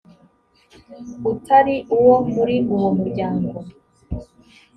utari uwo muri uwo muryango;